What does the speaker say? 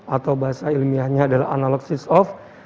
atau bahasa ilmiahnya adalah analog switch off